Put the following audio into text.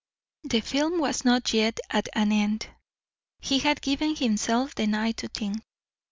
The film was not yet at an end. He had given himself the night to think.